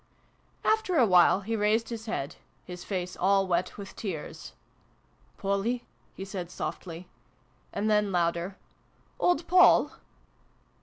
After a while he raised his head his face all wet with tears. " Polly !" he said softly ; and then, louder, " Old Poll